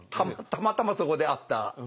たまたまそこで会った。